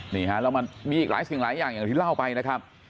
นี่ฮะแล้วมันมีอีกหลายสิ่งหลายอย่างอย่างที่เล่าไปนะครับ